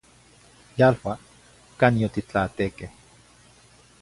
Yalua cani otitlaatequeh